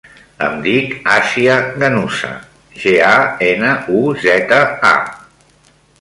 Em dic Asia Ganuza: ge, a, ena, u, zeta, a.